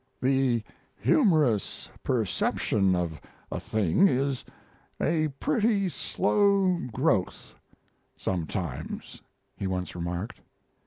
"The humorous perception of a thing is a pretty slow growth sometimes," he once remarked.